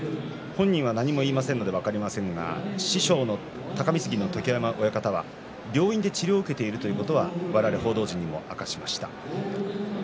本人は何も言いませんから分かりませんが師匠の親方は病院で治療を受けているということは我々報道陣にも明かしました。